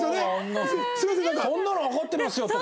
「そんなのわかってますよ」とか。